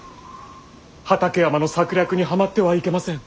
畠山の策略にはまってはいけません。